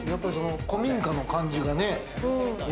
古民家の感じがね。